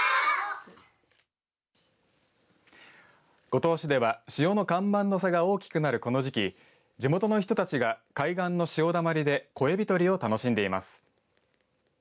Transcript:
五島市では潮の干満の差が大きくなるこの時期地元の人たちが海岸の潮だまりで小エビ取りを楽しんでいます。